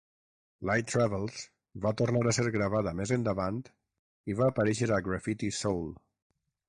"Light Travels" va tornar a ser gravada més endavant i va aparèixer a Graffiti Soul.